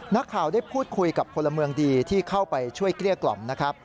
นักข่าวได้พูดคุยกับพลเมืองดีที่เข้าไปช่วยเกลี้ยกล่อมนะครับ